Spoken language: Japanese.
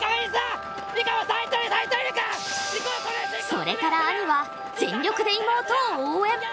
それから兄は全力で妹を応援。